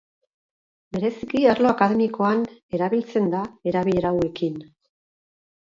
Bereziki arlo akademikoan erabiltzen da, erabilera hauekin.